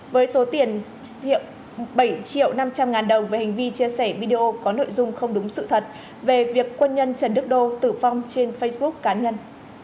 với số tiền thiện bảy triệu năm trăm linh ngàn đồng về hành vi chia sẻ video có nội dung không đúng sự thật về việc quân nhân trần đức đô tử vong trên facebook cá nhân